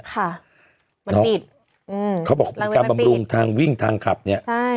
มันปิดเค้าบอกมีการบำรุงทางวิ่งทางขับเนี่ย